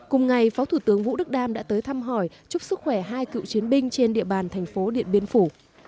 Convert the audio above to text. cùng ngày phó thủ tướng vũ đức đam đã tới thăm hỏi chúc sức khỏe hai cựu chiến binh trên địa bàn thành phố điện biên phủ